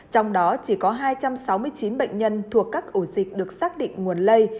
trong đó chỉ có hai trăm sáu mươi chín bệnh nhân thuộc các ổ dịch được xác định nguồn lây